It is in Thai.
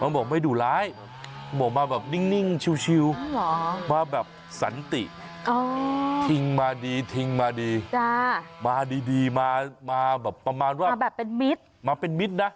มันบอกไม่ดุร้ายบอกมาแบบนิ่งชิวมาแบบสันติทิ้งมาดีมาดีมาแบบเป็นมิตรนะ